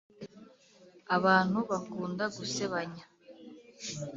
abantu bakunda gusebanya,